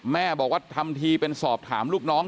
แม่บอกว่าทำทีเป็นสอบถามลูกน้อง